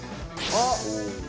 あっ！